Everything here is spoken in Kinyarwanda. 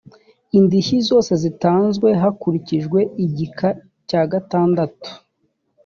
indishyi zose zitanzwe hakurikijwe igika cya gatandatu